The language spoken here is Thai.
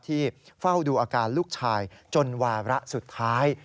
เฝ้าดูอาการลูกชายจนวาระสุดท้าย